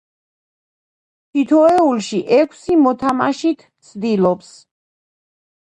თითოეულში ექვსი მოთამაშით ცდილობს